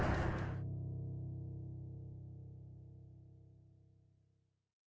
กลับมาเมื่อเวลาอันดับสุดท้าย